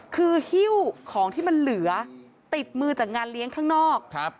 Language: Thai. คือฮิ้วของที่มันเหลือติดมือจากงานเลี้ยงข้างนอก